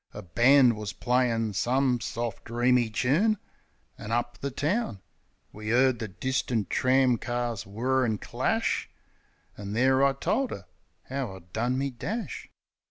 A band was playin' some soft, dreamy toon; An' up the town We 'card the distant tram cars whir an' dash. An' there I told 'er 'ow I'd done me dash.